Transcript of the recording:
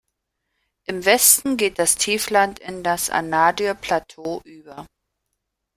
Im Westen geht das Tiefland in das Anadyr-Plateau über.